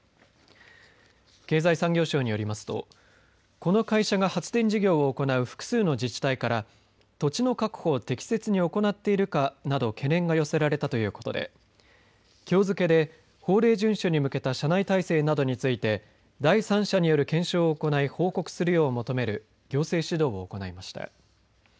経済産業省によりますとこの会社が発電事業を行う複数の自治体から土地の確保を適切に行っているかなど懸念が寄せられたということできょう付けで法令順守に向けた社内体制などについて第三者による検証を行い報告するよう求める行政指導を行いました。